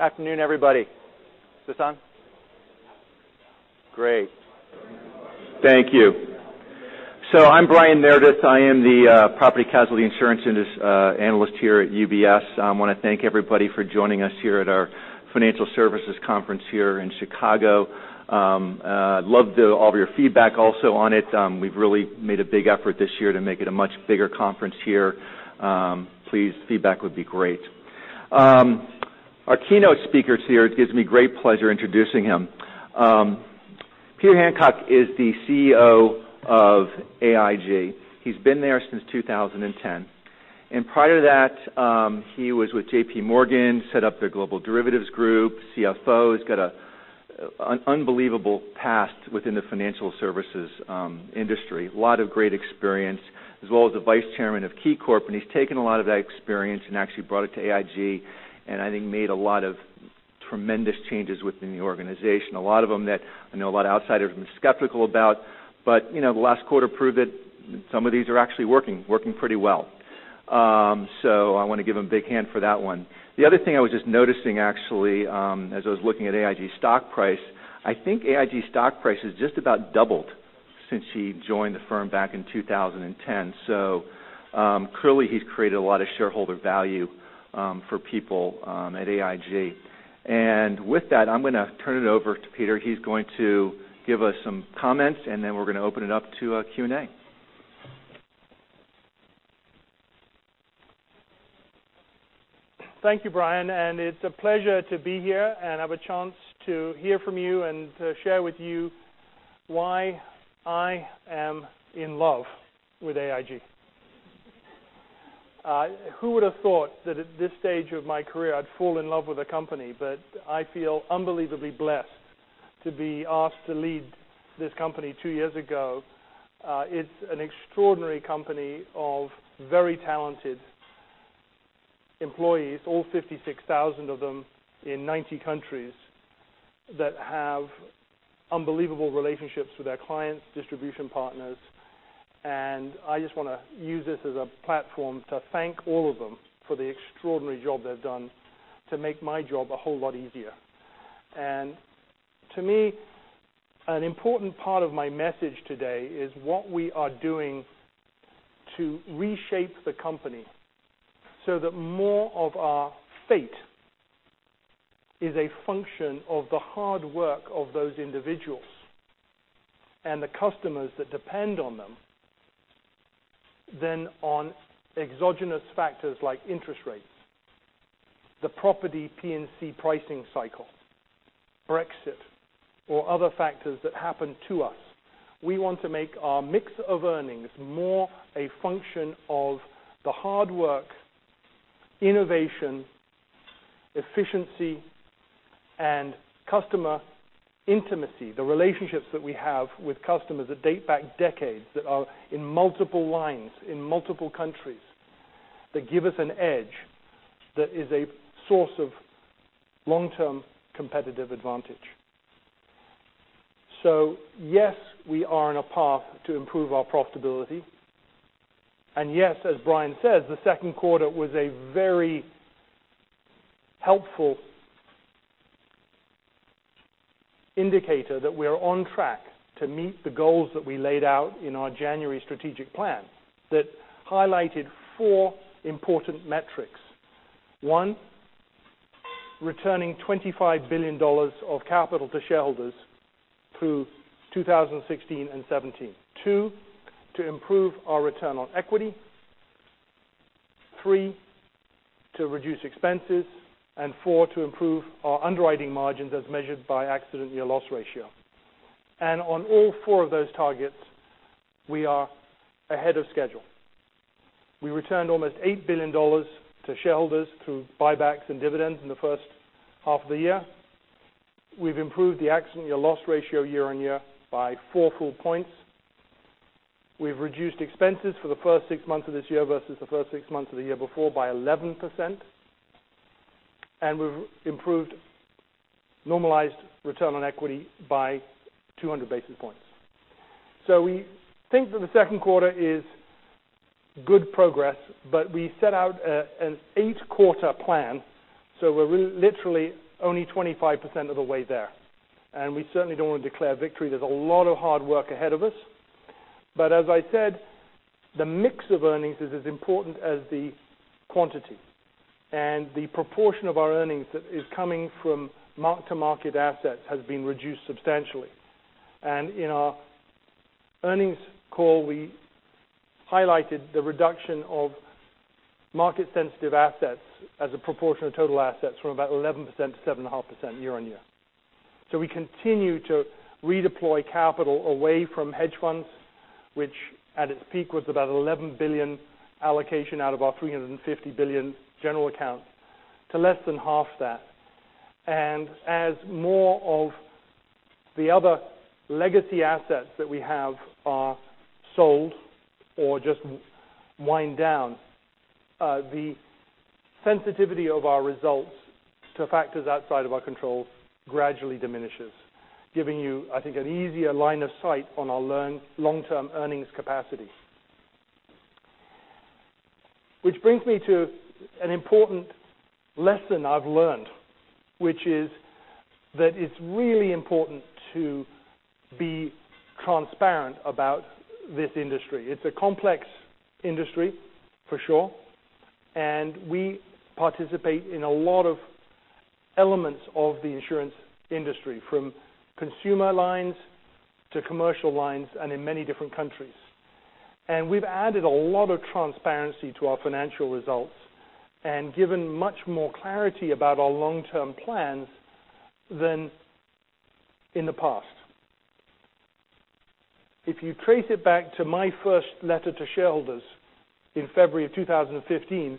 Afternoon, everybody. Is this on? Great. Thank you. I'm Brian Meredith. I am the Property and Casualty Insurance Analyst here at UBS. I want to thank everybody for joining us here at our UBS Financial Services Conference here in Chicago. Love all of your feedback also on it. We've really made a big effort this year to make it a much bigger conference here. Please, feedback would be great. Our keynote speaker is here. It gives me great pleasure introducing him. Peter Hancock is the CEO of AIG. He's been there since 2010, and prior to that, he was with JP Morgan, set up their global derivatives group, CFO. He's got an unbelievable past within the financial services industry. A lot of great experience, as well as the vice chairman of KeyCorp. He's taken a lot of that experience and actually brought it to AIG and I think made a lot of tremendous changes within the organization. A lot of them that I know a lot of outsiders have been skeptical about. The last quarter proved that some of these are actually working pretty well. I want to give him a big hand for that one. The other thing I was just noticing actually, as I was looking at AIG stock price, I think AIG stock price has just about doubled since he joined the firm back in 2010. Clearly he's created a lot of shareholder value for people at AIG. With that, I'm going to turn it over to Peter. He's going to give us some comments. Then we're going to open it up to a Q&A. Thank you, Brian. It's a pleasure to be here and have a chance to hear from you and to share with you why I am in love with AIG. Who would have thought that at this stage of my career, I'd fall in love with a company? I feel unbelievably blessed to be asked to lead this company two years ago. It's an extraordinary company of very talented employees, all 56,000 of them in 90 countries, that have unbelievable relationships with their clients, distribution partners. I just want to use this as a platform to thank all of them for the extraordinary job they've done to make my job a whole lot easier. To me, an important part of my message today is what we are doing to reshape the company so that more of our fate is a function of the hard work of those individuals and the customers that depend on them than on exogenous factors like interest rates, the property P&C pricing cycle, Brexit, or other factors that happen to us. We want to make our mix of earnings more a function of the hard work, innovation, efficiency, and customer intimacy, the relationships that we have with customers that date back decades, that are in multiple lines, in multiple countries, that give us an edge that is a source of long-term competitive advantage. Yes, we are on a path to improve our profitability, and yes, as Brian says, the second quarter was a very helpful indicator that we are on track to meet the goals that we laid out in our January strategic plan that highlighted four important metrics. One, returning $25 billion of capital to shareholders through 2016 and 2017. Two, to improve our return on equity. Three, to reduce expenses, and four, to improve our underwriting margins as measured by accident year loss ratio. On all four of those targets, we are ahead of schedule. We returned almost $8 billion to shareholders through buybacks and dividends in the first half of the year. We've improved the accident year loss ratio year-on-year by four full points. We've reduced expenses for the first six months of this year versus the first six months of the year before by 11%, and we've improved normalized return on equity by 200 basis points. We think that the second quarter is good progress, but we set out an eight-quarter plan, so we're literally only 25% of the way there, and we certainly don't want to declare victory. There's a lot of hard work ahead of us. As I said, the mix of earnings is as important as the quantity, and the proportion of our earnings that is coming from mark-to-market assets has been reduced substantially. In our earnings call, we highlighted the reduction of market sensitive assets as a proportion of total assets from about 11% to 7.5% year-on-year. We continue to redeploy capital away from hedge funds, which at its peak was about $11 billion allocation out of our $350 billion general accounts, to less than half that. As more of the other legacy assets that we have are sold or just wind down, the sensitivity of our results to factors outside of our control gradually diminishes, giving you, I think, an easier line of sight on our long-term earnings capacity. Which brings me to an important lesson I've learned, which is that it's really important to be transparent about this industry. It's a complex industry, for sure, and we participate in a lot of elements of the insurance industry, from consumer lines to commercial lines, and in many different countries. We've added a lot of transparency to our financial results and given much more clarity about our long-term plans than in the past. If you trace it back to my first letter to shareholders in February of 2015,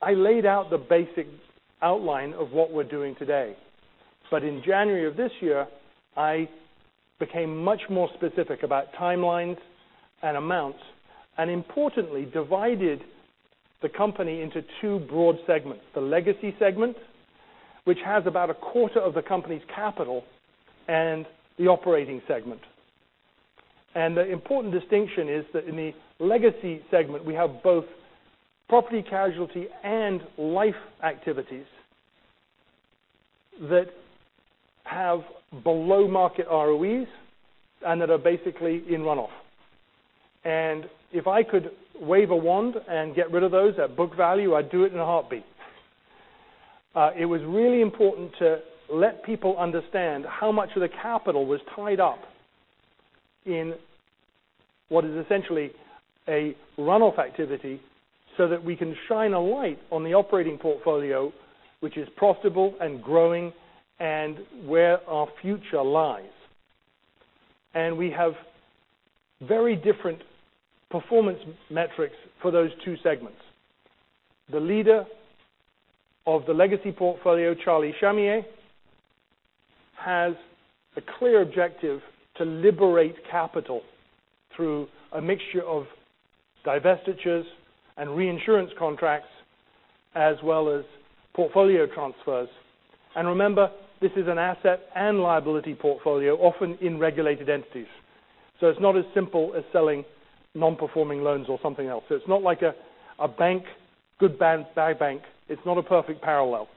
I laid out the basic outline of what we're doing today. In January of this year, I became much more specific about timelines and amounts, importantly, divided the company into two broad segments. The legacy segment, which has about a quarter of the company's capital, and the operating segment. The important distinction is that in the legacy segment, we have both property casualty and life activities that have below-market ROEs and that are basically in runoff. If I could wave a wand and get rid of those at book value, I'd do it in a heartbeat. It was really important to let people understand how much of the capital was tied up in what is essentially a runoff activity so that we can shine a light on the operating portfolio, which is profitable and growing, and where our future lies. We have very different performance metrics for those two segments. The leader of the legacy portfolio, Charlie Shamieh, has a clear objective to liberate capital through a mixture of divestitures and reinsurance contracts, as well as portfolio transfers. Remember, this is an asset and liability portfolio, often in regulated entities. It's not as simple as selling non-performing loans or something else. It's not like a good bank, bad bank. It's not a perfect parallel.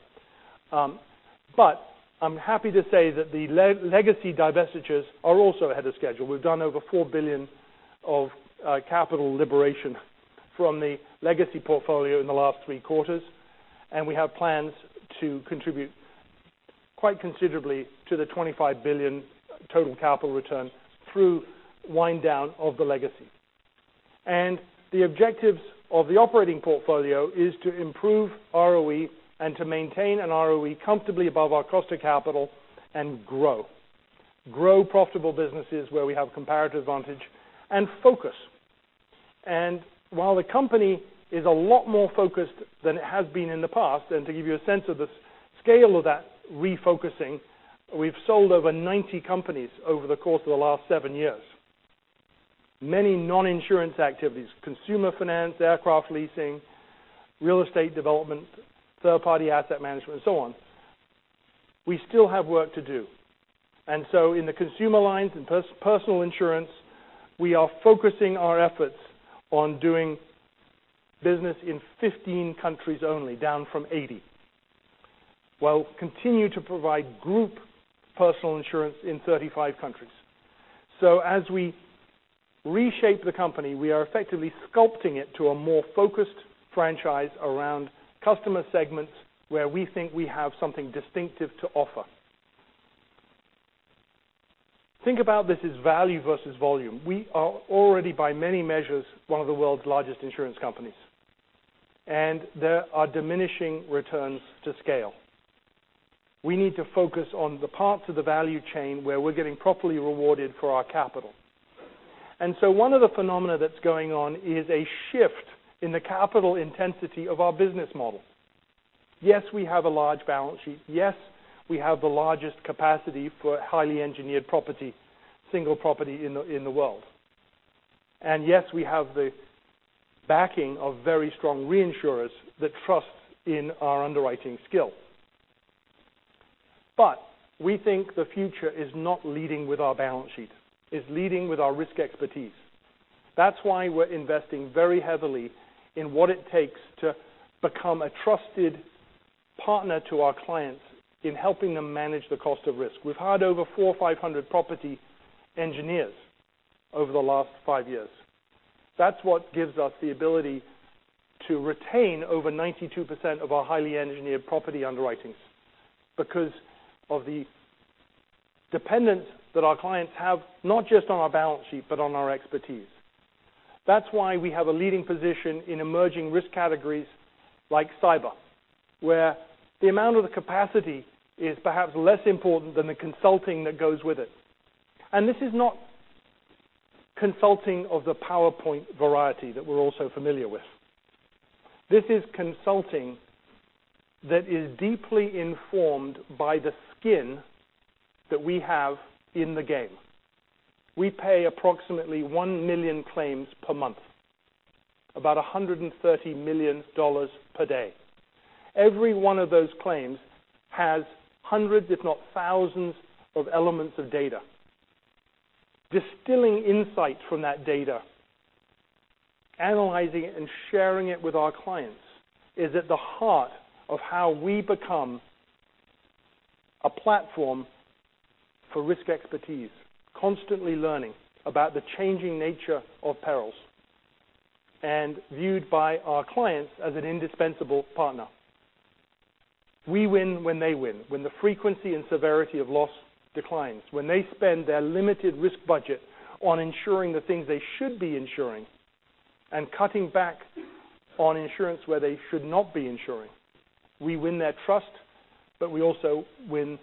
I'm happy to say that the legacy divestitures are also ahead of schedule. We've done over $4 billion of capital liberation from the legacy portfolio in the last three quarters, we have plans to contribute quite considerably to the $25 billion total capital return through wind down of the legacy. The objectives of the operating portfolio is to improve ROE and to maintain an ROE comfortably above our cost of capital and grow. Grow profitable businesses where we have comparative advantage and focus. While the company is a lot more focused than it has been in the past, to give you a sense of the scale of that refocusing, we've sold over 90 companies over the course of the last seven years. Many non-insurance activities, consumer finance, aircraft leasing, real estate development, third party asset management, and so on. We still have work to do. In the consumer lines and personal insurance, we are focusing our efforts on doing business in 15 countries only, down from 80, while continue to provide group personal insurance in 35 countries. As we reshape the company, we are effectively sculpting it to a more focused franchise around customer segments where we think we have something distinctive to offer. Think about this as value versus volume. We are already, by many measures, one of the world's largest insurance companies, there are diminishing returns to scale. We need to focus on the parts of the value chain where we're getting properly rewarded for our capital. One of the phenomena that's going on is a shift in the capital intensity of our business model. Yes, we have a large balance sheet. Yes, we have the largest capacity for highly engineered single property in the world. Yes, we have the backing of very strong reinsurers that trust in our underwriting skill. We think the future is not leading with our balance sheet, it's leading with our risk expertise. That's why we're investing very heavily in what it takes to become a trusted partner to our clients in helping them manage the cost of risk. We've hired over 4,500 property engineers over the last five years. That's what gives us the ability to retain over 92% of our highly engineered property underwriting because of the dependence that our clients have, not just on our balance sheet, but on our expertise. That's why we have a leading position in emerging risk categories like Cyber, where the amount of the capacity is perhaps less important than the consulting that goes with it. This is not consulting of the PowerPoint variety that we're all so familiar with. This is consulting that is deeply informed by the skin that we have in the game. We pay approximately 1 million claims per month, about $130 million per day. Every one of those claims has hundreds, if not thousands of elements of data. Distilling insight from that data, analyzing it, and sharing it with our clients is at the heart of how we become a platform for risk expertise, constantly learning about the changing nature of perils and viewed by our clients as an indispensable partner. We win when they win, when the frequency and severity of loss declines, when they spend their limited risk budget on insuring the things they should be insuring, and cutting back on insurance where they should not be insuring. We win their trust, we also win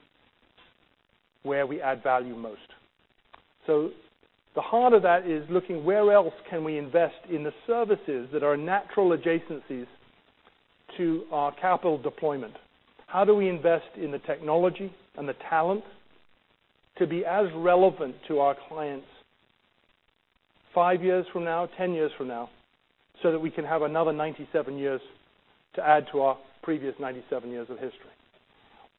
where we add value most. The heart of that is looking where else can we invest in the services that are natural adjacencies to our capital deployment. How do we invest in the technology and the talent to be as relevant to our clients five years from now, 10 years from now, so that we can have another 97 years to add to our previous 97 years of history?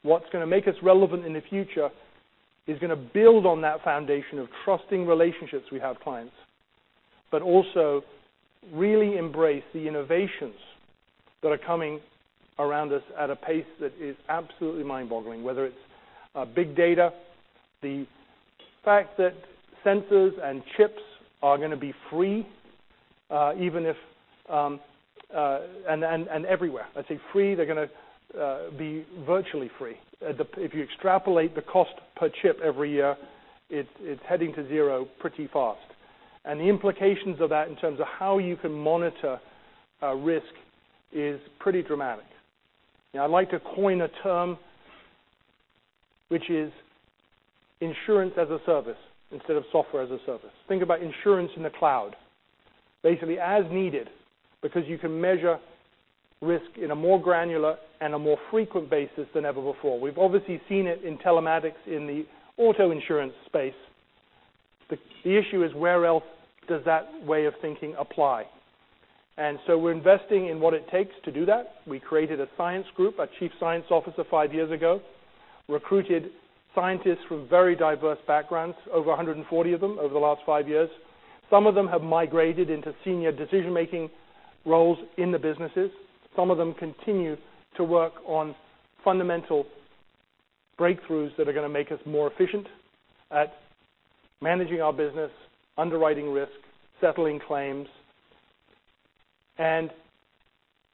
What's going to make us relevant in the future is going to build on that foundation of trusting relationships with our clients, also really embrace the innovations that are coming around us at a pace that is absolutely mind-boggling, whether it's big data, the fact that sensors and chips are going to be free, and everywhere. I say free, they're going to be virtually free. If you extrapolate the cost per chip every year, it's heading to zero pretty fast. The implications of that in terms of how you can monitor risk is pretty dramatic. Now, I'd like to coin a term, which is insurance as a service instead of software as a service. Think about insurance in the cloud, basically as needed, because you can measure risk in a more granular and a more frequent basis than ever before. We've obviously seen it in telematics in the auto insurance space. The issue is where else does that way of thinking apply? We're investing in what it takes to do that. We created a science group, a chief science officer five years ago, recruited scientists from very diverse backgrounds, over 140 of them over the last five years. Some of them have migrated into senior decision-making roles in the businesses. Some of them continue to work on fundamental breakthroughs that are going to make us more efficient at managing our business, underwriting risk, settling claims, and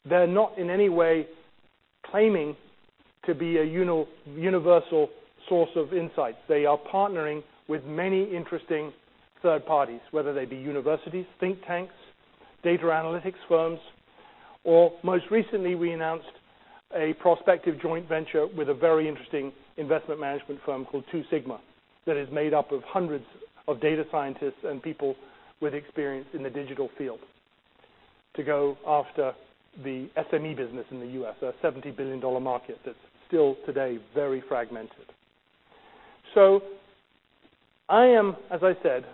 they're not in any way claiming to be a universal source of insights. They are partnering with many interesting third parties, whether they be universities, think tanks, data analytics firms, or most recently, we announced a prospective joint venture with a very interesting investment management firm called Two Sigma that is made up of hundreds of data scientists and people with experience in the digital field to go after the SME business in the U.S., a $70 billion market that's still today very fragmented. I am, as I said,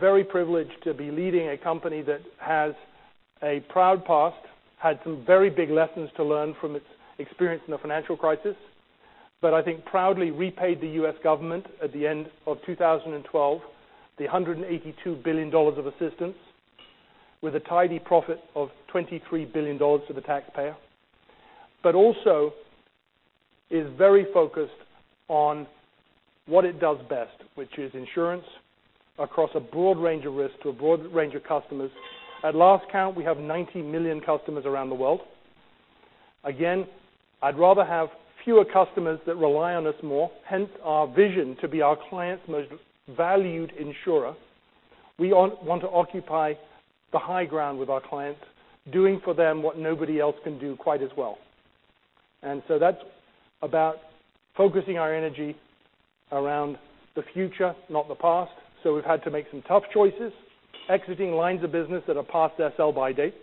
very privileged to be leading a company that has a proud past, had some very big lessons to learn from its experience in the financial crisis. I think proudly repaid the U.S. government at the end of 2012, the $182 billion of assistance with a tidy profit of $23 billion to the taxpayer. Also is very focused on what it does best, which is insurance across a broad range of risk to a broad range of customers. At last count, we have 90 million customers around the world. Again, I'd rather have fewer customers that rely on us more, hence our vision to be our clients' most valued insurer. We want to occupy the high ground with our clients, doing for them what nobody else can do quite as well. That's about focusing our energy around the future, not the past. We've had to make some tough choices, exiting lines of business that are past their sell-by date.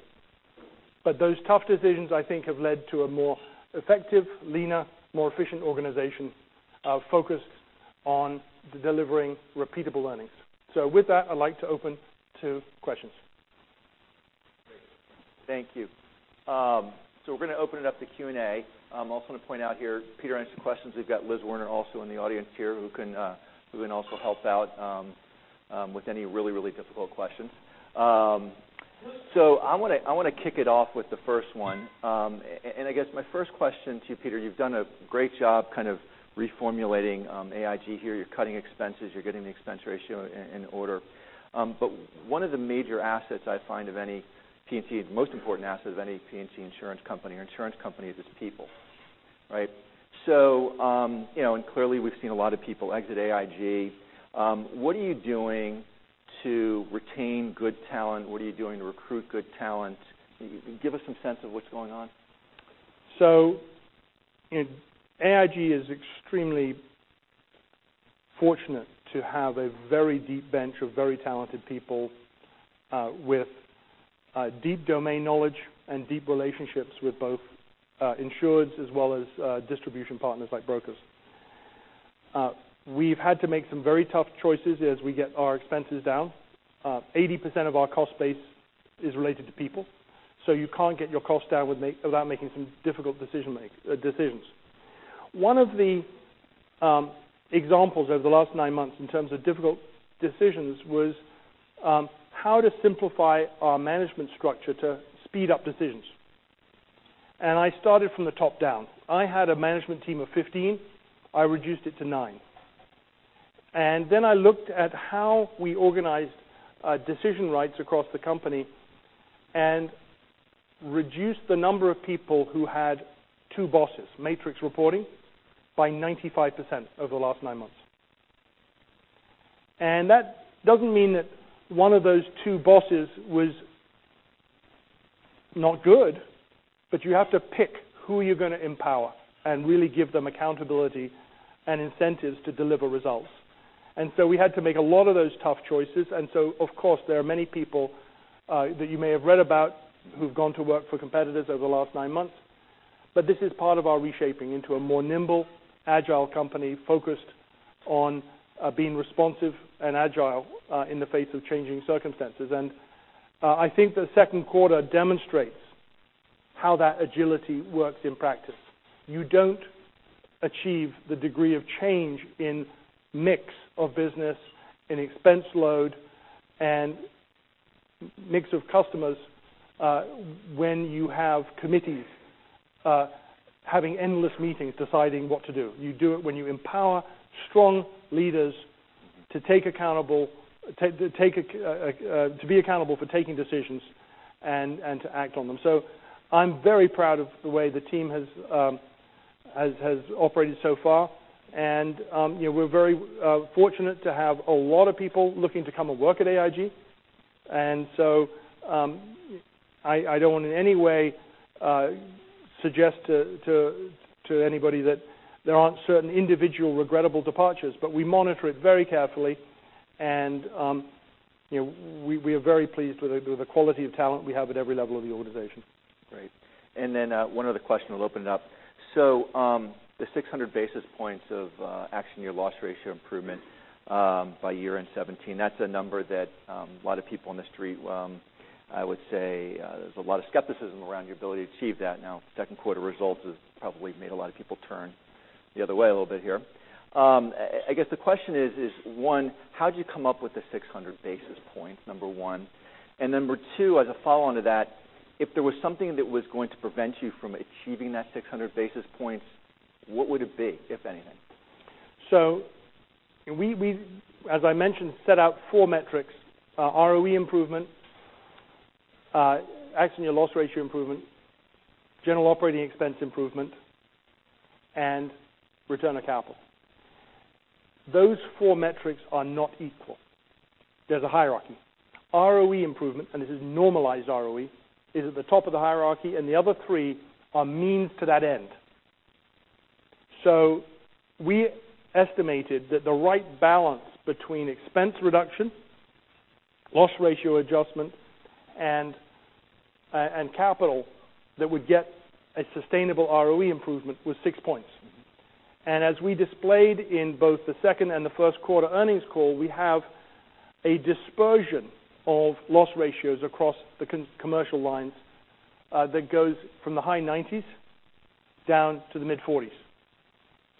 Those tough decisions, I think, have led to a more effective, leaner, more efficient organization focused on delivering repeatable earnings. With that, I'd like to open to questions. Thank you. We're going to open it up to Q&A. I also want to point out here, Peter answered some questions. We've got Liz Werner also in the audience here who can also help out with any really, really difficult questions. I want to kick it off with the first one. I guess my first question to you, Peter, you've done a great job kind of reformulating AIG here. You're cutting expenses. You're getting the expense ratio in order. One of the major assets I find of any P&C, the most important asset of any P&C insurance company or insurance company is its people, right? Clearly, we've seen a lot of people exit AIG. What are you doing to retain good talent? What are you doing to recruit good talent? Give us some sense of what's going on. AIG is extremely fortunate to have a very deep bench of very talented people with deep domain knowledge and deep relationships with both insureds as well as distribution partners like brokers. We've had to make some very tough choices as we get our expenses down. 80% of our cost base is related to people, so you can't get your cost down without making some difficult decisions. One of the examples over the last nine months in terms of difficult decisions was how to simplify our management structure to speed up decisions. I started from the top down. I had a management team of 15. I reduced it to nine. Then I looked at how we organized decision rights across the company and reduced the number of people who had two bosses, matrix reporting, by 95% over the last nine months. That doesn't mean that one of those two bosses was not good, but you have to pick who you're going to empower and really give them accountability and incentives to deliver results. We had to make a lot of those tough choices. Of course, there are many people, that you may have read about who've gone to work for competitors over the last nine months, but this is part of our reshaping into a more nimble, agile company focused on being responsive and agile in the face of changing circumstances. I think the second quarter demonstrates how that agility works in practice. You don't achieve the degree of change in mix of business, in expense load, and mix of customers when you have committees having endless meetings deciding what to do. You do it when you empower strong leaders to be accountable for taking decisions and to act on them. I'm very proud of the way the team has operated so far. We're very fortunate to have a lot of people looking to come and work at AIG. I don't want in any way suggest to anybody that there aren't certain individual regrettable departures, but we monitor it very carefully, and we are very pleased with the quality of talent we have at every level of the organization. Great. Then, one other question, we'll open it up. The 600 basis points of accident year loss ratio improvement by year-end 2017, that's a number that a lot of people on the street, I would say, there's a lot of skepticism around your ability to achieve that. Now, second quarter results have probably made a lot of people turn the other way a little bit here. I guess the question is, one, how'd you come up with the 600 basis points? Number one. Number two, as a follow-on to that, if there was something that was going to prevent you from achieving that 600 basis points, what would it be, if anything? We've, as I mentioned, set out four metrics, ROE improvement, accident year loss ratio improvement, general operating expense improvement, and return on capital. Those four metrics are not equal. There's a hierarchy. ROE improvement, and this is normalized ROE, is at the top of the hierarchy, and the other three are means to that end. We estimated that the right balance between expense reduction, loss ratio adjustment, and capital that would get a sustainable ROE improvement was 6 points. As we displayed in both the second and the first quarter earnings call, we have a dispersion of loss ratios across the commercial lines that goes from the high 90s down to the mid 40s.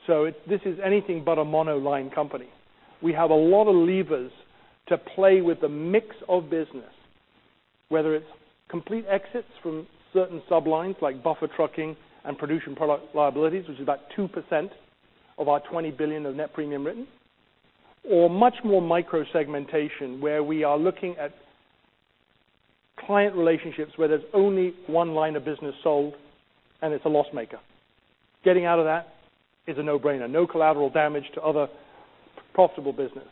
This is anything but a monoline company. We have a lot of levers to play with the mix of business, whether it's complete exits from certain sublines like buffer trucking and product liability, which is about 2% of our $20 billion of net premium written, or much more micro segmentation where we are looking at client relationships where there's only one line of business sold and it's a loss maker. Getting out of that is a no-brainer. No collateral damage to other profitable business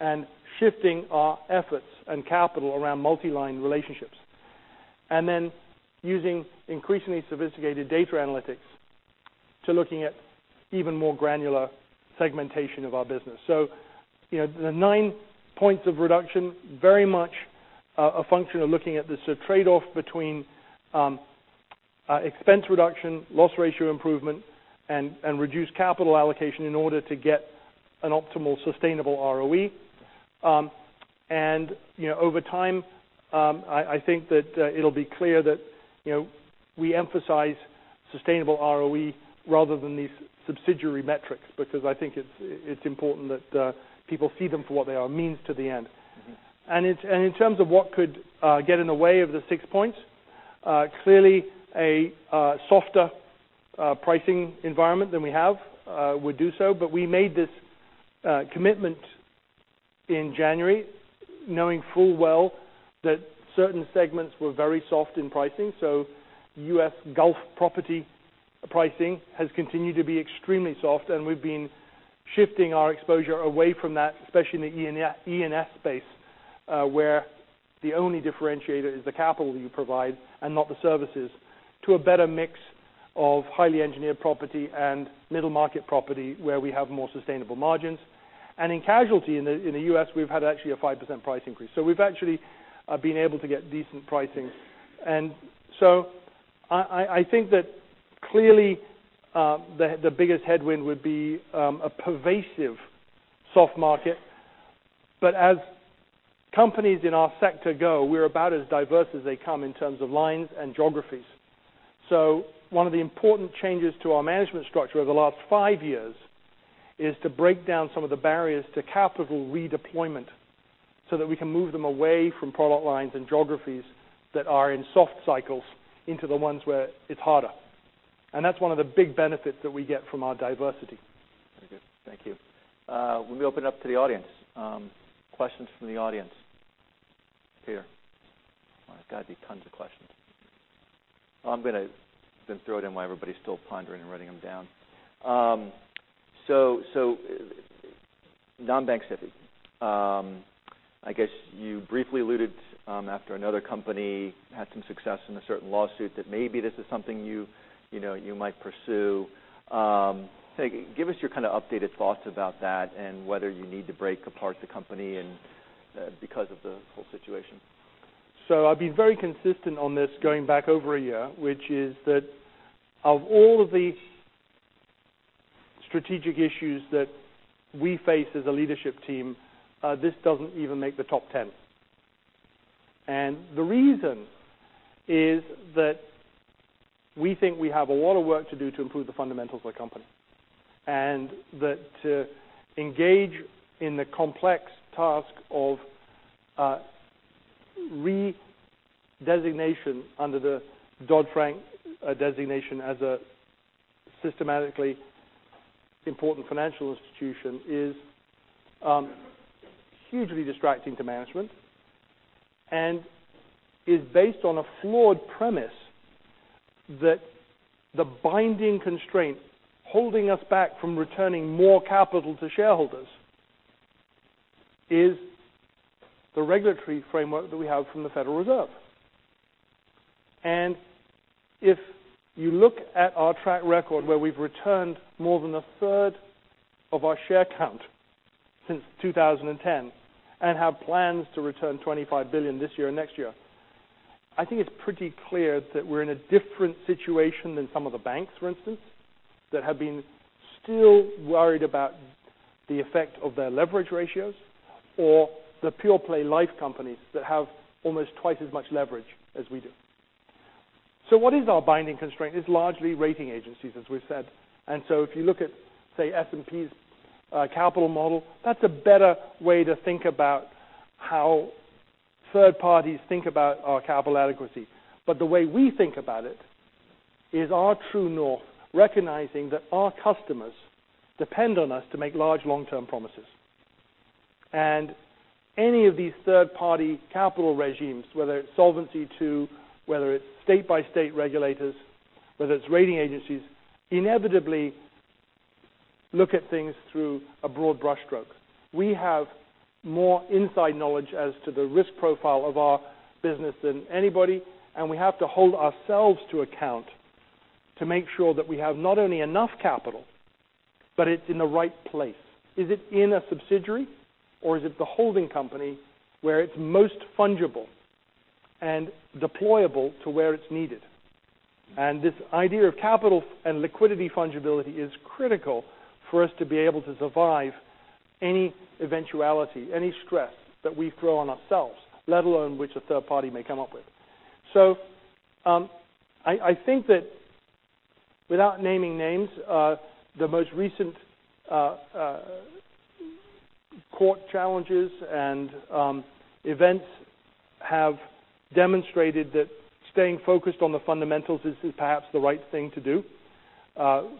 and shifting our efforts and capital around multi-line relationships. Using increasingly sophisticated data analytics to looking at even more granular segmentation of our business. The 9 points of reduction, very much a function of looking at this. Trade-off between expense reduction, loss ratio improvement, and reduced capital allocation in order to get an optimal sustainable ROE. Over time, I think that it will be clear that we emphasize sustainable ROE rather than these subsidiary metrics because I think it's important that people see them for what they are, means to the end. In terms of what could get in the way of the 6 points, clearly a softer pricing environment than we have would do so. We made this commitment in January knowing full well that certain segments were very soft in pricing. U.S. Gulf property pricing has continued to be extremely soft, and we've been shifting our exposure away from that, especially in the E&S space, where the only differentiator is the capital you provide and not the services to a better mix of highly engineered property and middle market property where we have more sustainable margins. In casualty in the U.S., we've had actually a 5% price increase. We've actually been able to get decent pricing. I think that clearly, the biggest headwind would be a pervasive soft market. As companies in our sector go, we're about as diverse as they come in terms of lines and geographies. One of the important changes to our management structure over the last five years is to break down some of the barriers to capital redeployment so that we can move them away from product lines and geographies that are in soft cycles into the ones where it's harder. That's one of the big benefits that we get from our diversity. Very good. Thank you. Let me open it up to the audience. Questions from the audience. Peter. There's got to be tons of questions. I'm going to then throw it in while everybody's still pondering and writing them down. Non-bank SIFI. I guess you briefly alluded after another company had some success in a certain lawsuit that maybe this is something you might pursue. Give us your updated thoughts about that and whether you need to break apart the company and because of the whole situation. I've been very consistent on this going back over a year, which is that of all of the strategic issues that we face as a leadership team, this doesn't even make the top 10. The reason is that we think we have a lot of work to do to improve the fundamentals of the company, and that to engage in the complex task of re-designation under the Dodd-Frank designation as a systemically important financial institution is hugely distracting to management and is based on a flawed premise that the binding constraint holding us back from returning more capital to shareholders is the regulatory framework that we have from the Federal Reserve. If you look at our track record where we've returned more than a third of our share count since 2010 and have plans to return $25 billion this year and next year, I think it's pretty clear that we're in a different situation than some of the banks, for instance, that have been still worried about the effect of their leverage ratios, or the pure play life companies that have almost twice as much leverage as we do. What is our binding constraint? It's largely rating agencies, as we've said. If you look at, say, S&P's capital model, that's a better way to think about how third parties think about our capital adequacy. The way we think about it is our true north, recognizing that our customers depend on us to make large long-term promises. Capital regimes, whether it's Solvency II, whether it's state-by-state regulators, whether it's rating agencies, inevitably look at things through a broad brush stroke. We have more inside knowledge as to the risk profile of our business than anybody, and we have to hold ourselves to account to make sure that we have not only enough capital, but it's in the right place. Is it in a subsidiary or is it the holding company where it's most fungible and deployable to where it's needed? This idea of capital and liquidity fungibility is critical for us to be able to survive any eventuality, any stress that we throw on ourselves, let alone which a third party may come up with. I think that without naming names, the most recent core challenges and events have demonstrated that staying focused on the fundamentals is perhaps the right thing to do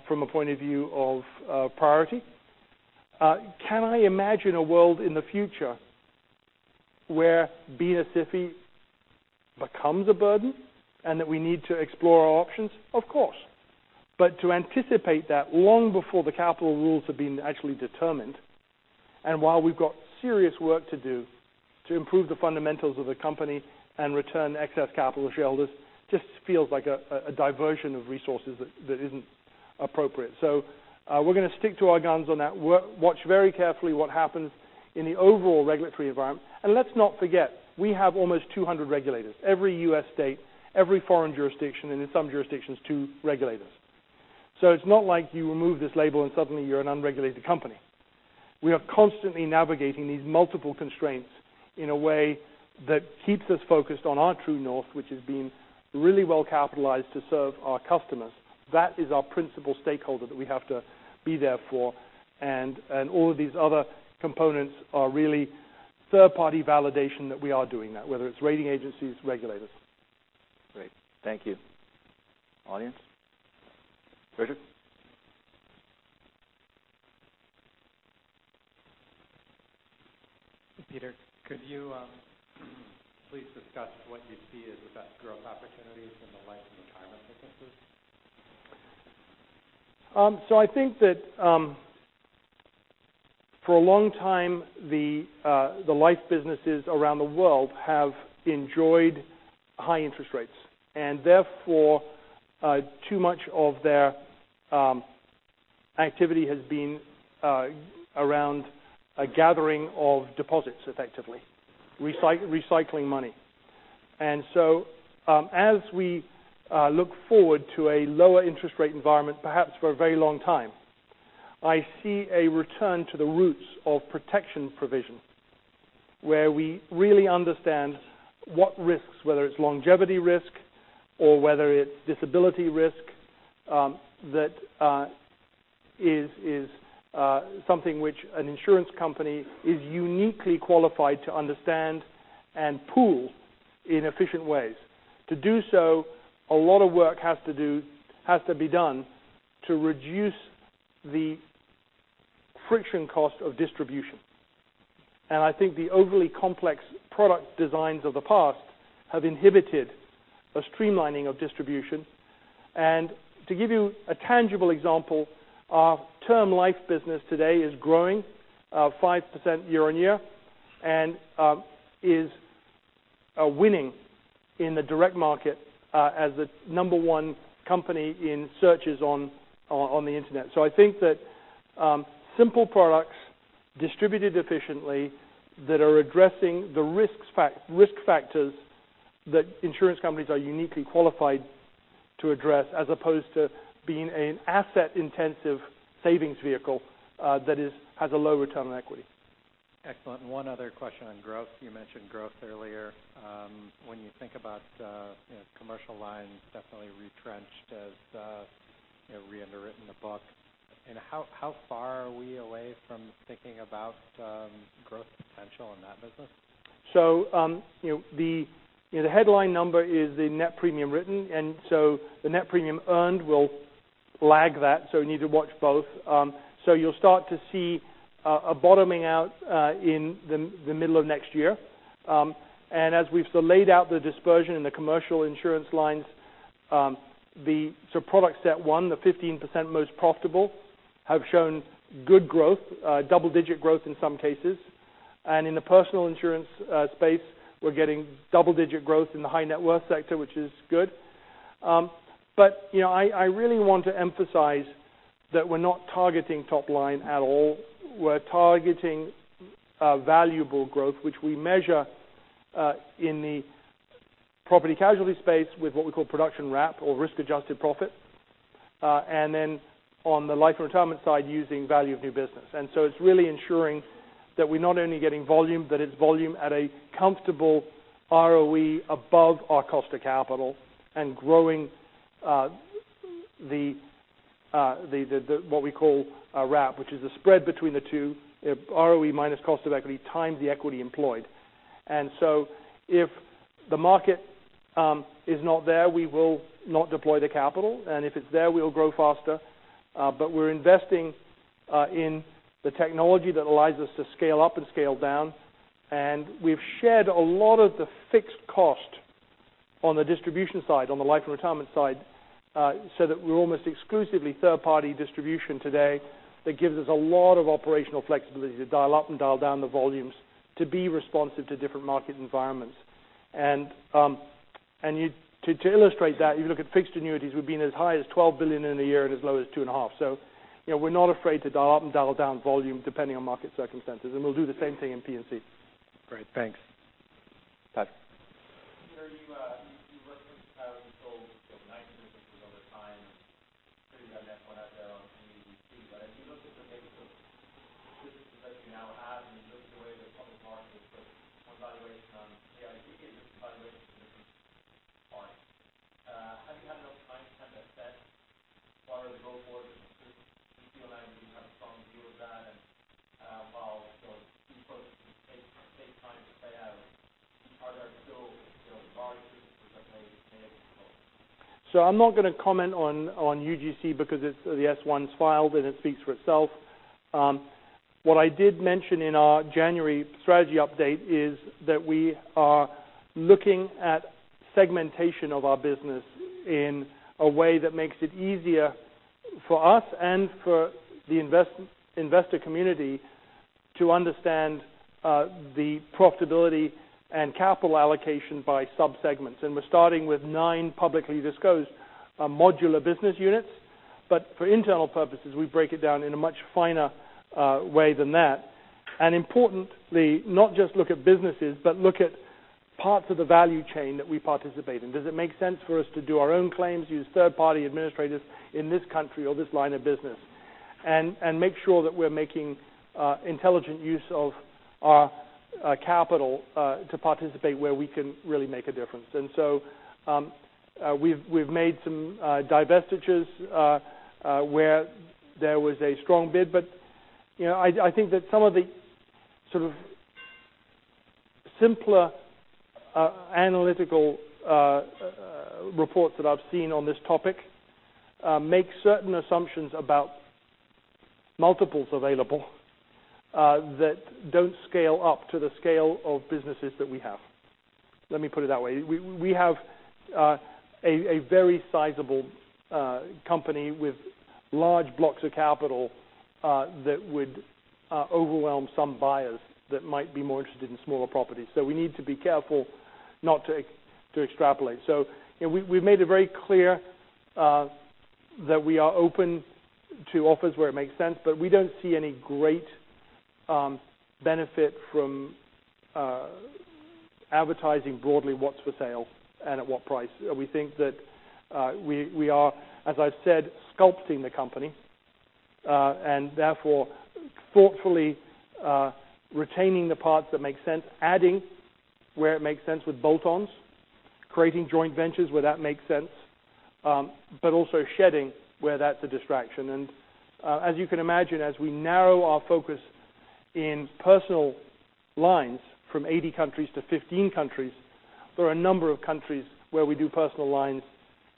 from a point of view of priority. Can I imagine a world in the future where being a SIFI becomes a burden and that we need to explore our options? Of course. To anticipate that long before the capital rules have been actually determined, and while we've got serious work to do to improve the fundamentals of the company and return excess capital to shareholders just feels like a diversion of resources that isn't appropriate. We're going to stick to our guns on that. We'll watch very carefully what happens in the overall regulatory environment. Let's not forget, we have almost 200 regulators, every U.S. state, every foreign jurisdiction, and in some jurisdictions, two regulators. It's not like you remove this label and suddenly you're an unregulated company. We are constantly navigating these multiple constraints in a way that keeps us focused on our true north, which is being really well capitalized to serve our customers. That is our principal stakeholder that we have to be there for, and all of these other components are really third-party validation that we are doing that, whether it's rating agencies, regulators. Great. Thank you. Audience. Richard. Peter, could you please discuss what you see as the best growth opportunities in the life and retirement businesses? I think that for a long time, the life businesses around the world have enjoyed high interest rates, and therefore, too much of their activity has been around a gathering of deposits, effectively. Recycling money. As we look forward to a lower interest rate environment, perhaps for a very long time, I see a return to the roots of protection provision, where we really understand what risks, whether it's longevity risk or whether it's disability risk, that is something which an insurance company is uniquely qualified to understand and pool in efficient ways. To do so, a lot of work has to be done to reduce the friction cost of distribution. I think the overly complex product designs of the past have inhibited a streamlining of distribution. To give you a tangible example, our term life business today is growing 5% year-on-year, and is winning in the direct market as the number one company in searches on the Internet. I think that simple products distributed efficiently that are addressing the risk factors that insurance companies are uniquely qualified to address, as opposed to being an asset-intensive savings vehicle that has a lower return on equity. Excellent. One other question on growth. You mentioned growth earlier. When you think about commercial lines definitely retrenched as re-underwritten the book. How far are we away from thinking about growth potential in that business? The headline number is the net premium written, the net premium earned will lag that, we need to watch both. You'll start to see a bottoming out in the middle of next year. As we've sort of laid out the dispersion in the commercial insurance lines, the sort of product set one, the 15% most profitable, have shown good growth, double-digit growth in some cases. In the personal insurance space, we're getting double-digit growth in the high net worth sector, which is good. I really want to emphasize that we're not targeting top line at all. We're targeting valuable growth, which we measure in the property casualty space with what we call production RAP or risk adjusted profit. Then on the life and retirement side, using value of new business. It's really ensuring that we're not only getting volume, but it's volume at a comfortable ROE above our cost of capital and growing what we call a RAP, which is a spread between the two, ROE minus cost of equity times the equity employed. If the market is not there, we will not deploy the capital, if it's there, we will grow faster. We're investing in the technology that allows us to scale up and scale down. We've shed a lot of the fixed cost on the distribution side, on the life and retirement side, so that we're almost exclusively third-party distribution today. That gives us a lot of operational flexibility to dial up and dial down the volumes to be responsive to different market environments. To illustrate that, you look at fixed annuities, we've been as high as $12 billion in a year at as low as two and a half. We're not afraid to dial up and dial down volume depending on market circumstances. We'll do the same thing in P&C. Great. Thanks. Pat. Gary, you mentioned having sold nine businesses over time, and clearly had net one out there on UGC. As you look at the maybe some businesses that you now have and you look at the way the public markets put some valuation on, AIG-related valuations for different parts, have you had enough time to kind of assess far the road for the business? Do you feel like you have a strong view of that? While those two processes take time to play out, are there still larger businesses that may be candidates for- I'm not going to comment on UGC because the S-1's filed and it speaks for itself. What I did mention in our January strategy update is that we are looking at segmentation of our business in a way that makes it easier for us and for the investor community to understand the profitability and capital allocation by subsegments. We're starting with nine publicly disclosed modular business units. For internal purposes, we break it down in a much finer way than that. Importantly, not just look at businesses, but look at parts of the value chain that we participate in. Does it make sense for us to do our own claims, use third party administrators in this country or this line of business? Make sure that we're making intelligent use of our capital to participate where we can really make a difference. We've made some divestitures where there was a strong bid. I think that some of the sort of simpler analytical reports that I've seen on this topic make certain assumptions about multiples available that don't scale up to the scale of businesses that we have. Let me put it that way. We have a very sizable company with large blocks of capital that would overwhelm some buyers that might be more interested in smaller properties. We need to be careful not to extrapolate. We've made it very clear that we are open to offers where it makes sense, but we don't see any great benefit from advertising broadly what's for sale and at what price. We think that we are, as I've said, sculpting the company, and therefore thoughtfully retaining the parts that make sense, adding where it makes sense with bolt-ons, creating joint ventures where that makes sense, but also shedding where that's a distraction. As you can imagine, as we narrow our focus in personal lines from 80 countries to 15 countries, there are a number of countries where we do personal lines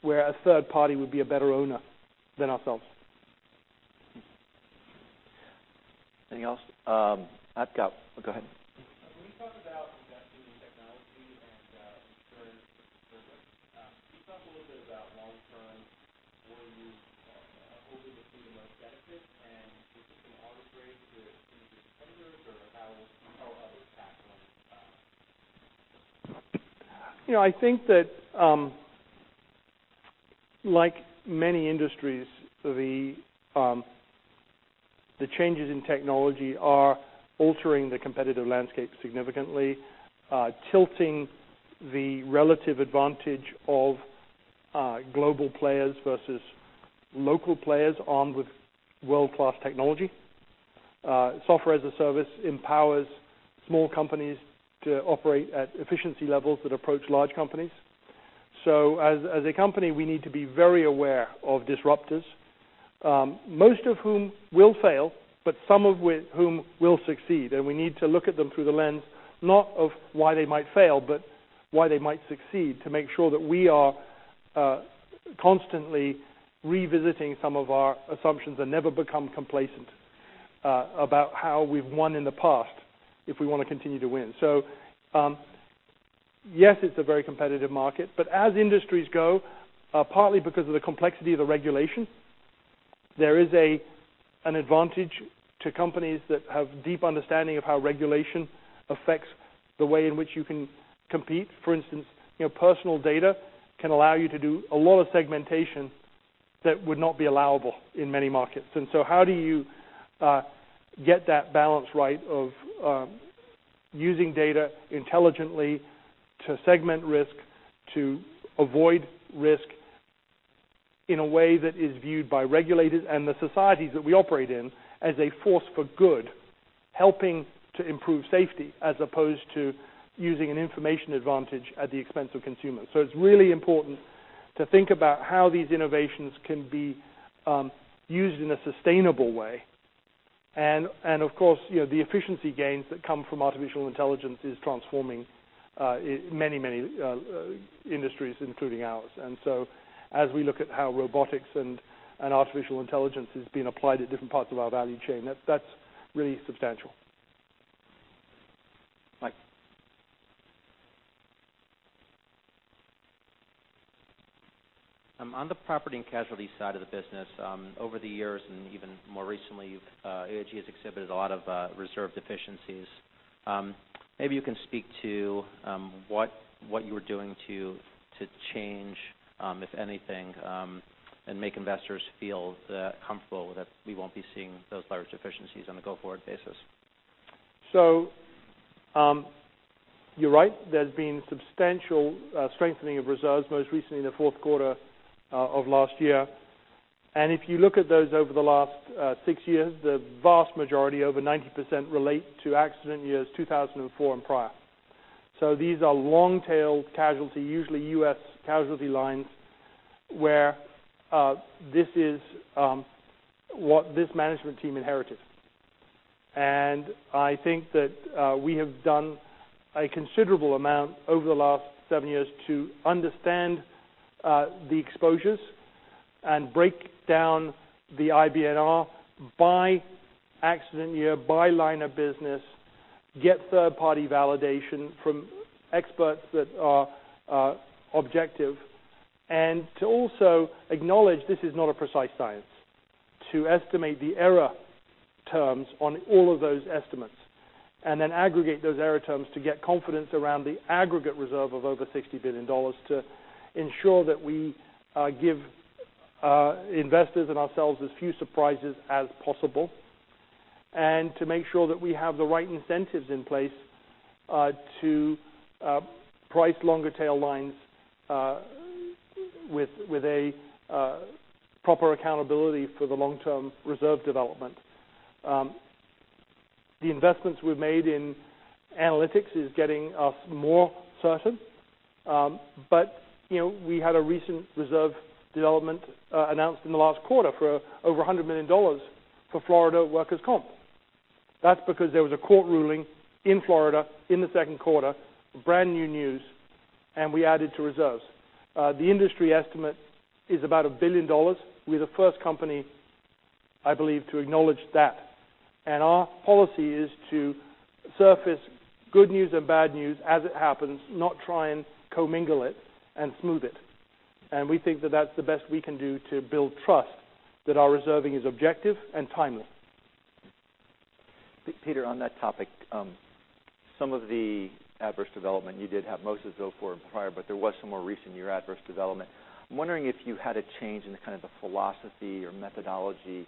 where a third party would be a better owner than ourselves. Anything else? Go ahead. When you talk about investing in technology and insurance as a service, can you talk a little bit about long term, where you hopefully will see the most benefit, and is this an arbitrage to your competitors or how are others tackling that? I think that like many industries, the changes in technology are altering the competitive landscape significantly, tilting the relative advantage of global players versus local players armed with world-class technology. Software-as-a-service empowers small companies to operate at efficiency levels that approach large companies. As a company, we need to be very aware of disruptors. Most of whom will fail, but some of whom will succeed, and we need to look at them through the lens, not of why they might fail, but why they might succeed to make sure that we are constantly revisiting some of our assumptions and never become complacent about how we've won in the past if we want to continue to win. Yes, it's a very competitive market, but as industries go, partly because of the complexity of the regulation, there is an advantage to companies that have deep understanding of how regulation affects the way in which you can compete. For instance, personal data can allow you to do a lot of segmentation that would not be allowable in many markets. How do you get that balance right of using data intelligently to segment risk, to avoid risk in a way that is viewed by regulators and the societies that we operate in as a force for good, helping to improve safety, as opposed to using an information advantage at the expense of consumers. It's really important to think about how these innovations can be used in a sustainable way. Of course, the efficiency gains that come from artificial intelligence is transforming many industries, including ours. As we look at how robotics and artificial intelligence is being applied at different parts of our value chain, that's really substantial. Mike. On the property and casualty side of the business, over the years and even more recently, AIG has exhibited a lot of reserve deficiencies. Maybe you can speak to what you're doing to change, if anything, and make investors feel comfortable that we won't be seeing those large deficiencies on a go-forward basis. You're right. There's been substantial strengthening of reserves, most recently in the fourth quarter of last year. If you look at those over the last six years, the vast majority, over 90%, relate to accident years 2004 and prior. These are long-tail casualty, usually U.S. casualty lines, where this is what this management team inherited. I think that we have done a considerable amount over the last seven years to understand the exposures and break down the IBNR by accident year, by line of business, get third party validation from experts that are objective, and to also acknowledge this is not a precise science. To estimate the error terms on all of those estimates, and then aggregate those error terms to get confidence around the aggregate reserve of over $60 billion to ensure that we give investors and ourselves as few surprises as possible, and to make sure that we have the right incentives in place to price longer tail lines with a proper accountability for the long-term reserve development. The investments we've made in analytics is getting us more certain. We had a recent reserve development announced in the last quarter for over $100 million for Florida workers' comp. That's because there was a court ruling in Florida in the second quarter, brand new news, and we added to reserves. The industry estimate is about $1 billion. We're the first company, I believe, to acknowledge that. Our policy is to surface good news and bad news as it happens, not try and commingle it and smooth it. We think that that's the best we can do to build trust that our reserving is objective and timely. Peter, on that topic. Some of the adverse development you did have most of those four prior, but there was some more recent year adverse development. I'm wondering if you had a change in the philosophy or methodology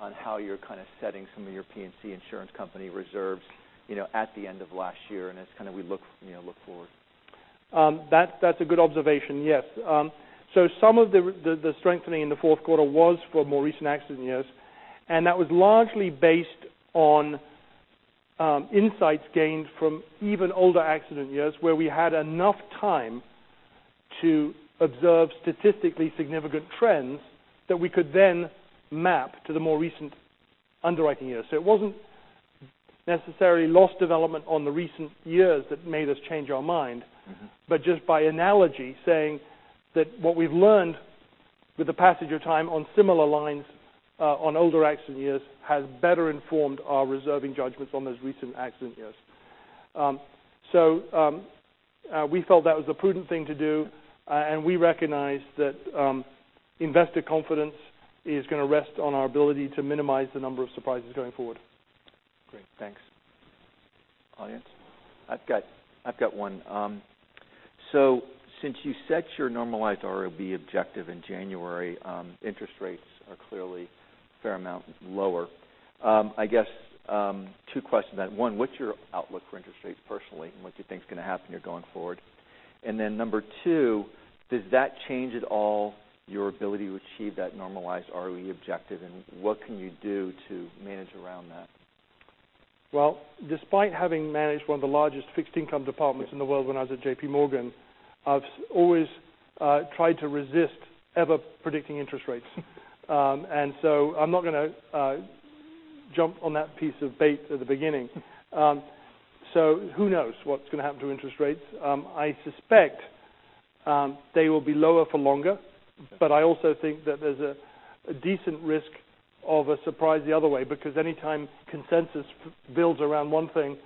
on how you're setting some of your P&C insurance company reserves at the end of last year, as we look forward. That's a good observation. Yes. Some of the strengthening in the fourth quarter was for more recent accident years, and that was largely based on insights gained from even older accident years, where we had enough time to observe statistically significant trends that we could then map to the more recent underwriting years. It wasn't necessarily loss development on the recent years that made us change our mind. Just by analogy, saying that what we've learned with the passage of time on similar lines, on older accident years, has better informed our reserving judgments on those recent accident years. We felt that was a prudent thing to do, and we recognized that investor confidence is going to rest on our ability to minimize the number of surprises going forward. Great. Thanks. Audience? I've got one. Since you set your normalized ROE objective in January, interest rates are clearly a fair amount lower. I guess, two questions. One, what's your outlook for interest rates personally, and what do you think is going to happen here going forward? And number two, does that change at all your ability to achieve that normalized ROE objective, and what can you do to manage around that? Well, despite having managed one of the largest fixed income departments in the world when I was at JP Morgan, I've always tried to resist ever predicting interest rates. I'm not going to jump on that piece of bait at the beginning. Who knows what's going to happen to interest rates. I suspect they will be lower for longer, but I also think that there's a decent risk of a surprise the other way, because anytime consensus builds around one thing,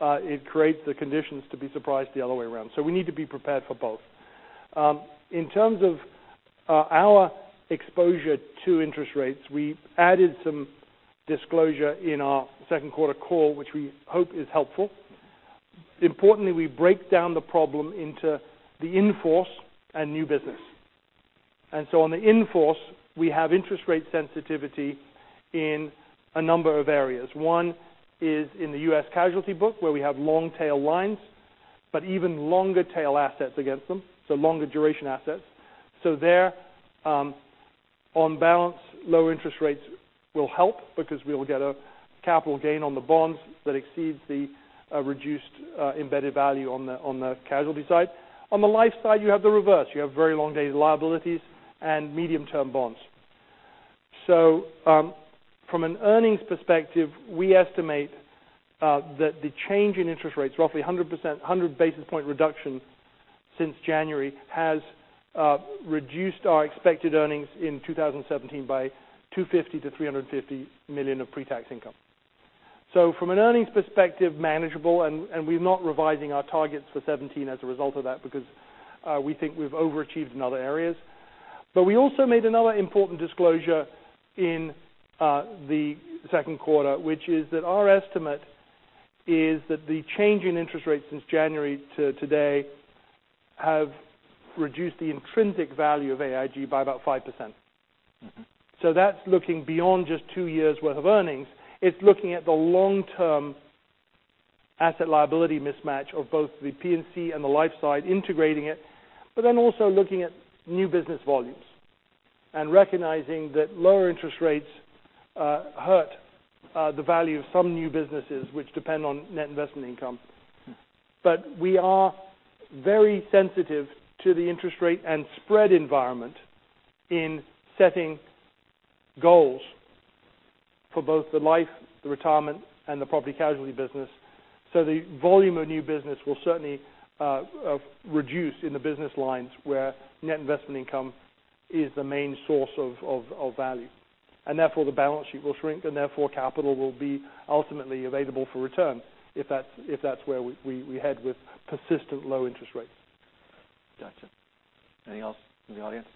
it creates the conditions to be surprised the other way around. We need to be prepared for both. In terms of our exposure to interest rates, we added some disclosure in our second quarter call, which we hope is helpful. Importantly, we break down the problem into the in-force and new business. On the in-force, we have interest rate sensitivity in a number of areas. One is in the U.S. casualty book, where we have long tail lines, but even longer tail assets against them, so longer duration assets. There, on balance, low interest rates will help because we will get a capital gain on the bonds that exceeds the reduced embedded value on the casualty side. On the life side, you have the reverse. You have very long dated liabilities and medium-term bonds. From an earnings perspective, we estimate that the change in interest rates, roughly 100 basis point reduction since January, has reduced our expected earnings in 2017 by $250 million to $350 million of pre-tax income. From an earnings perspective, manageable, and we're not revising our targets for 2017 as a result of that because we think we've overachieved in other areas. We also made another important disclosure in the second quarter, which is that our estimate is that the change in interest rates since January to today have reduced the intrinsic value of AIG by about 5%. That's looking beyond just two years' worth of earnings. It's looking at the long-term asset liability mismatch of both the P&C and the life side, integrating it, then also looking at new business volumes and recognizing that lower interest rates hurt the value of some new businesses which depend on net investment income. We are very sensitive to the interest rate and spread environment in setting goals for both the life, the retirement, and the property casualty business. The volume of new business will certainly reduce in the business lines where net investment income is the main source of value. Therefore, the balance sheet will shrink, and therefore, capital will be ultimately available for return if that's where we head with persistent low interest rates. Got you. Anything else from the audience?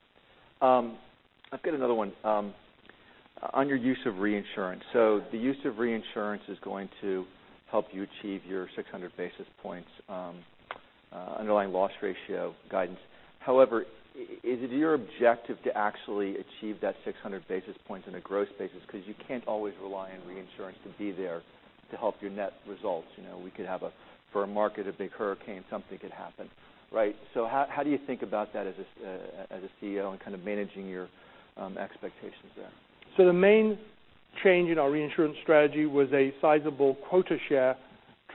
I've got another one. On your use of reinsurance. The use of reinsurance is going to help you achieve your 600 basis points underlying loss ratio guidance. However, is it your objective to actually achieve that 600 basis points in a gross basis? Because you can't always rely on reinsurance to be there to help your net results. We could have for a market, a big hurricane, something could happen. Right. How do you think about that as a CEO and kind of managing your expectations there? The main change in our reinsurance strategy was a sizable quota share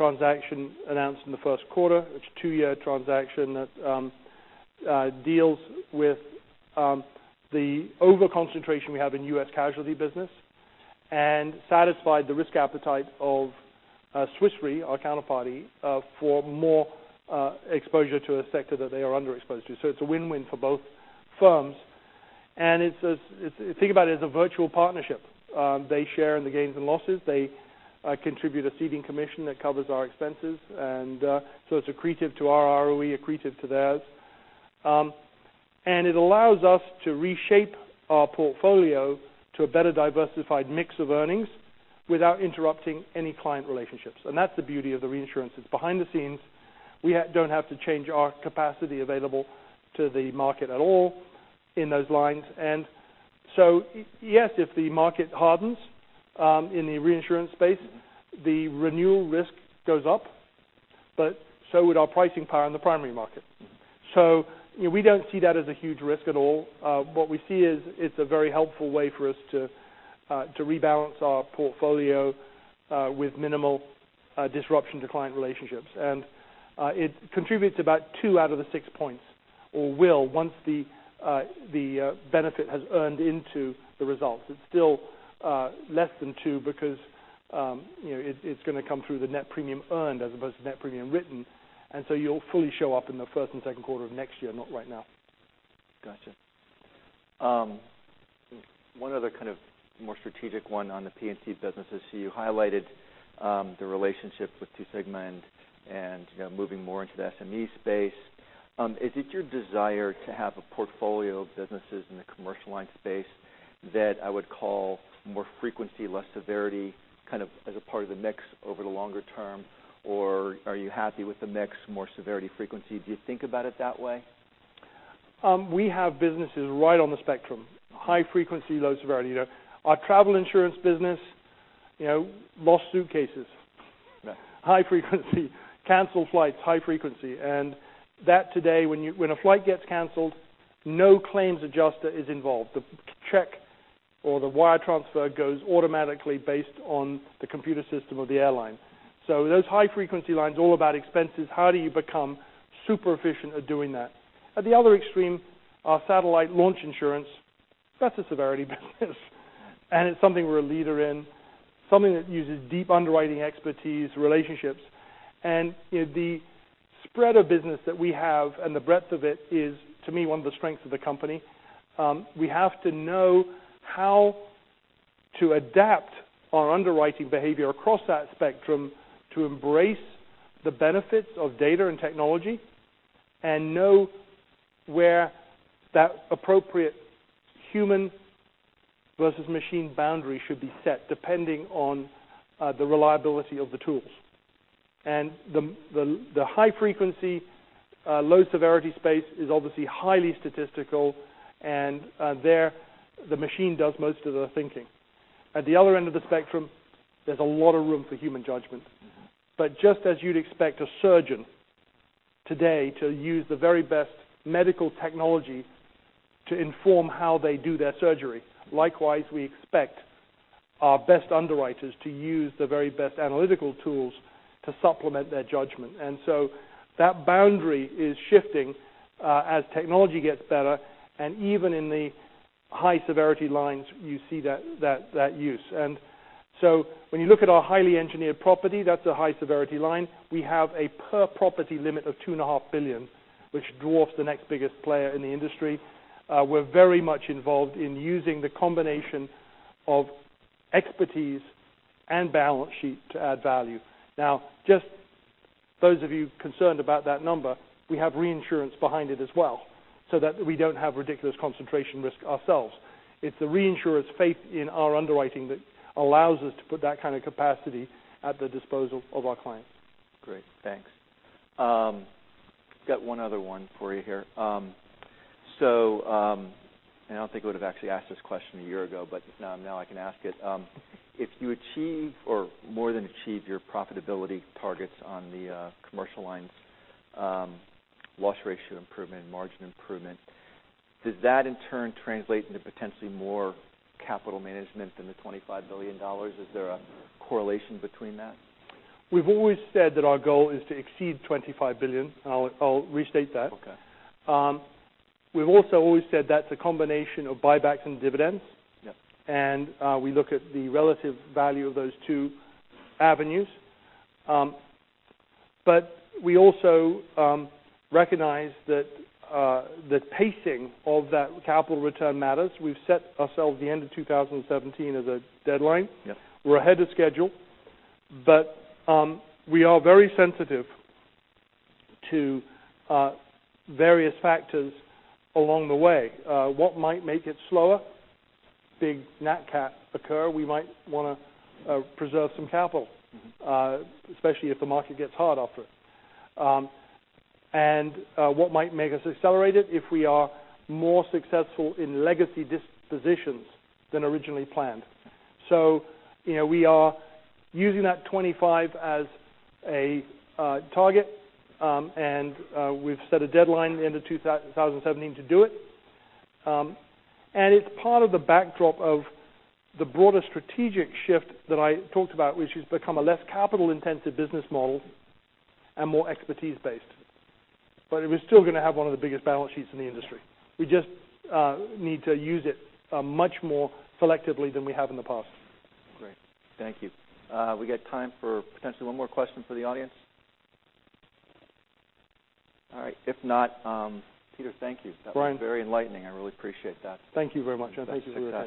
transaction announced in the first quarter. It's a two-year transaction that deals with the over-concentration we have in U.S. casualty business and satisfied the risk appetite of Swiss Re, our counterparty, for more exposure to a sector that they are underexposed to. It's a win-win for both firms. Think about it as a virtual partnership. They share in the gains and losses. They contribute a ceding commission that covers our expenses, and so it's accretive to our ROE, accretive to theirs. It allows us to reshape our portfolio to a better diversified mix of earnings without interrupting any client relationships. That's the beauty of the reinsurance. It's behind the scenes. We don't have to change our capacity available to the market at all in those lines. Yes, if the market hardens in the reinsurance space, the renewal risk goes up, but so would our pricing power in the primary market. We don't see that as a huge risk at all. What we see is it's a very helpful way for us to rebalance our portfolio with minimal disruption to client relationships. It contributes about two out of the six points, or will, once the benefit has earned into the results. It's still less than two because it's going to come through the net premium earned as opposed to net premium written. You'll fully show up in the first and second quarter of next year, not right now. Got you. One other kind of more strategic one on the P&C business is, you highlighted the relationship with Two Sigma and moving more into the SME space. Is it your desire to have a portfolio of businesses in the commercial line space that I would call more frequency, less severity, kind of as a part of the mix over the longer term? Are you happy with the mix, more severity, frequency? Do you think about it that way? We have businesses right on the spectrum. High frequency, low severity. Our travel insurance business, lost suitcases. Yeah. High frequency. Canceled flights, high frequency. That today, when a flight gets canceled, no claims adjuster is involved. The check or the wire transfer goes automatically based on the computer system of the airline. Those high-frequency lines are all about expenses. How do you become super efficient at doing that? At the other extreme are satellite launch insurance. That's a severity business, and it's something we're a leader in, something that uses deep underwriting expertise, relationships. The spread of business that we have and the breadth of it is, to me, one of the strengths of the company. We have to know how to adapt our underwriting behavior across that spectrum to embrace the benefits of data and technology and know where that appropriate human versus machine boundary should be set, depending on the reliability of the tools. The high frequency, low severity space is obviously highly statistical, and there the machine does most of the thinking. At the other end of the spectrum, there's a lot of room for human judgment. Just as you'd expect a surgeon today to use the very best medical technology to inform how they do their surgery, likewise, we expect our best underwriters to use the very best analytical tools to supplement their judgment. That boundary is shifting as technology gets better. Even in the high-severity lines, you see that use. When you look at our highly engineered property, that's a high-severity line. We have a per property limit of $2.5 billion, which dwarfs the next biggest player in the industry. We're very much involved in using the combination of expertise and balance sheet to add value. Just those of you concerned about that number, we have reinsurance behind it as well, so that we don't have ridiculous concentration risk ourselves. It's the reinsurer's faith in our underwriting that allows us to put that kind of capacity at the disposal of our clients. Great, thanks. Got one other one for you here. I don't think we would've actually asked this question a year ago, but now I can ask it. If you achieve or more than achieve your profitability targets on the commercial lines loss ratio improvement and margin improvement, does that in turn translate into potentially more capital management than the $25 billion? Is there a correlation between that? We've always said that our goal is to exceed $25 billion, and I'll restate that. Okay. We've also always said that's a combination of buybacks and dividends. Yep. We look at the relative value of those two avenues. We also recognize that the pacing of that capital return matters. We've set ourselves the end of 2017 as a deadline. Yep. We're ahead of schedule. We are very sensitive to various factors along the way. What might make it slower? Big nat cat occur. We might want to preserve some capital. Especially if the market gets hard after it. What might make us accelerate it? If we are more successful in Legacy dispositions than originally planned. We are using that 25 as a target. We've set a deadline at the end of 2017 to do it. It's part of the backdrop of the broader strategic shift that I talked about, which is become a less capital-intensive business model and more expertise based. We're still going to have one of the biggest balance sheets in the industry. We just need to use it much more selectively than we have in the past. Great. Thank you. We got time for potentially one more question from the audience. All right. If not, Peter, thank you. Brian. That was very enlightening. I really appreciate that. Thank you very much. I appreciate it.